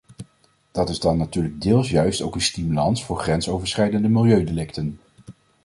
Dat is dan natuurlijk deels juist ook een stimulans voor grensoverschrijdende milieudelicten.